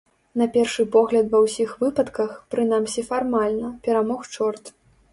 На першы погляд ва ўсіх выпадках, прынамсі фармальна, перамог чорт.